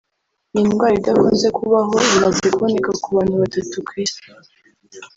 Iyi ndwara idakunze kubaho imaze kuboneka ku bantu batatu ku isi